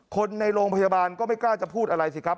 คนในโรงพยาบาลก็ไม่กล้าจะพูดอะไรสิครับ